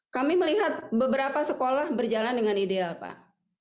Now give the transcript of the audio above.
kami melihat beberapa sekolah berjalan dengan ideal pak